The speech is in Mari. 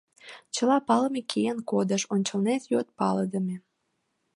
Чыла палыме киен кодеш, ончылнет йот, палыдыме.